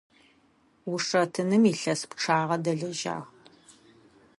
Ушэтыным илъэс пчъагъэ дэлэжьагъ.